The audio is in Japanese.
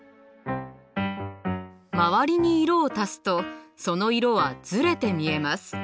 周りに色を足すとその色はズレて見えます。